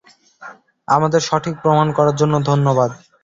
আমাদের সঠিক প্রমান করার জন্য ধন্যবাদ।